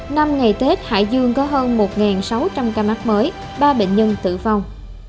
năm ngày tết hải dương có hơn một sáu trăm linh ca mắc mới ba bệnh nhân tử vong